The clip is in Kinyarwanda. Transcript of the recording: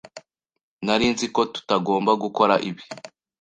Nari nzi ko tutagomba gukora ibi.